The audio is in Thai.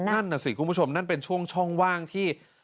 นั่นน่ะสิคุณผู้ชมนั่นเป็นช่วงช่องว่างที่